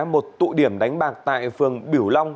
một tụ điểm đánh bạc tại phường biểu long